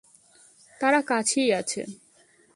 তারা কাছেই আছে।